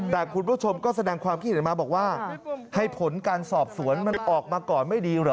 แต่คุณผู้ชมก็แสดงความคิดเห็นมาบอกว่าให้ผลการสอบสวนมันออกมาก่อนไม่ดีเหรอ